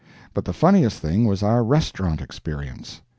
But the funniest thing was our restaurant experience.